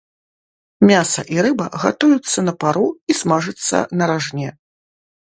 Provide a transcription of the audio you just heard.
Мяса і рыба гатуюцца на пару і смажацца на ражне.